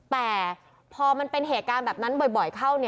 แต่พอมันเป็นเหตุการณ์แบบนั้นบ่อยเข้า